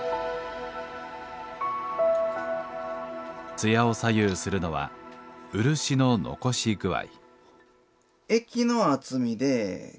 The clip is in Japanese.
艶を左右するのは漆の残し具合。